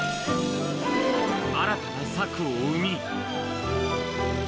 新たな策を生み。